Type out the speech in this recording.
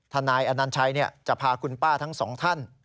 นายอนัญชัยจะพาคุณป้าทั้งสองท่าน